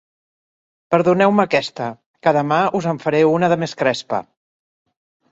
Perdoneu-me aquesta, que demà us en faré una de més crespa.